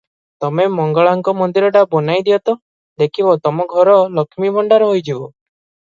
ତମେ ମଙ୍ଗଳାଙ୍କ ମନ୍ଦିରଟା ବନାଇଦିଅ ତ, ଦେଖିବ ତମ ଘର ଲକ୍ଷ୍ମୀ ଭଣ୍ତାର ହୋଇଯିବ ।